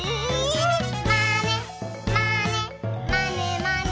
「まねまねまねまね」